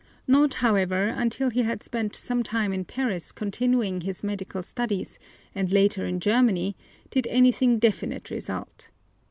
Not, however, until he had spent some time in Paris continuing his medical studies, and later in Germany, did anything definite result.